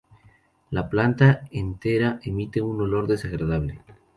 La planta entera emite un olor desagradable.